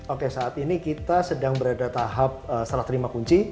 oke saat ini kita sedang berada tahap serah terima kunci